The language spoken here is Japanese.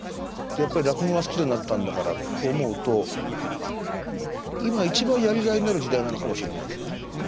やっぱり落語が好きでなったんだからと思うと今一番やりがいのある時代なのかもしれないですよね